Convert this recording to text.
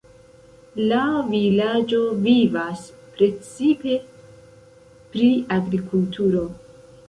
La vilaĝo vivas precipe pri agrikulturo.